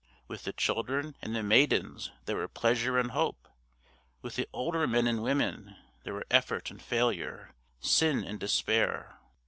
With the children and the maidens there were pleasure and hope; with the older men and women there were effort and failure, sin and despair.